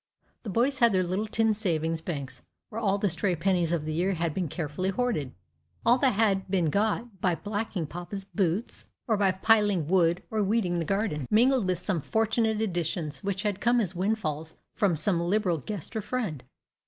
The boys had their little tin savings banks, where all the stray pennies of the year had been carefully hoarded all that had been got by blacking papa's boots, or by piling wood, or weeding in the garden mingled with some fortunate additions which had come as windfalls from some liberal guest or friend.